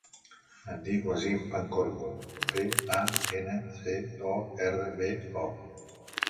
Em dic Wasim Pancorbo: pe, a, ena, ce, o, erra, be, o.